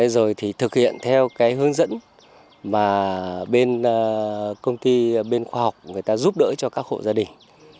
rồi thì thực hiện theo cái hướng dẫn mà bên công ty bên khoa học người ta giúp đỡ cho các hộ gia đình